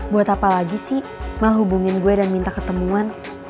buat apa lagi sih mal hubungin gue dan minta ketemuan